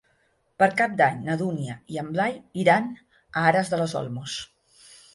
Per Cap d'Any na Dúnia i en Blai iran a Aras de los Olmos.